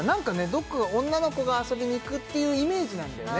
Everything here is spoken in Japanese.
どっか女の子が遊びにいくっていうイメージなんだよね